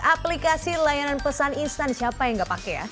aplikasi layanan pesan instan siapa yang nggak pakai ya